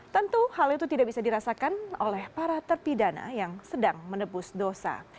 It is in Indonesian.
tentu hal itu tidak bisa dirasakan oleh para terpidana yang sedang menebus dosa